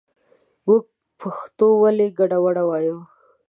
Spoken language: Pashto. مونږ پښتو ولې ګډه وډه وايو